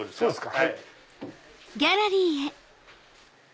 はい。